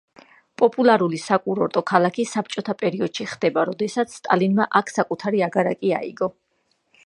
პოპულარული საკურორტო ქალაქი საბჭოთა პერიოდში ხდება, როდესაც სტალინმა აქ საკუთარი აგარაკი აიგო.